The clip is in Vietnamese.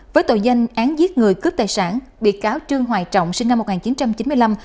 với tội danh án giết người cướp tài sản bị cáo trương hoài trọng sinh năm một nghìn chín trăm chín mươi năm